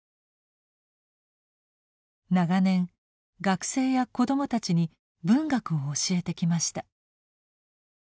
長年学生や子どもたちに文学を教えてきました。